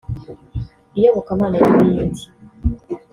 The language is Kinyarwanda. iyobokamana n’ibindi